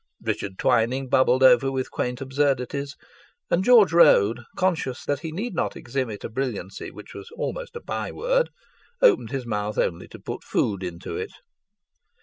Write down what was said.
Richard Twining bubbled over with quaint absurdities, and George Road, conscious that he need not exhibit a brilliancy which was almost a by word, opened his mouth only to put food into it.